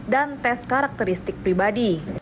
dan tes karakteristik pribadi